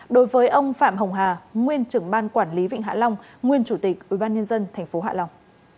đối với ông phạm hồng hà nguyên trưởng ban quản lý vịnh hạ long nguyên chủ tịch ubnd tp hạ long